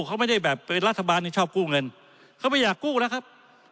เขาไม่ได้แบบเป็นรัฐบาลที่ชอบกู้เงินเขาไม่อยากกู้แล้วครับ